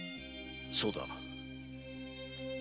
そうだ。